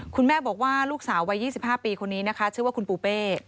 คุณแม่บอกว่าลูกสาววัย๒๕ปีคนนี้นะคะชื่อว่าคุณปูเป้